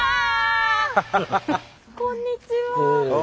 こんにちは。